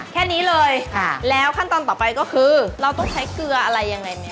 แค่นี้เลยแล้วขั้นตอนต่อไปก็คือเราต้องใช้เกลืออะไรยังไงไหม